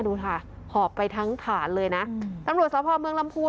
ดูค่ะหอบไปทั้งฐานเลยนะตำรวจสภเมืองลำพูน